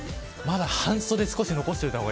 まだ半袖、少し残しておいた方が